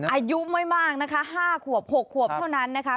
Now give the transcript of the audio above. อายุไม่มากนะคะ๕ขวบ๖ขวบเท่านั้นนะคะ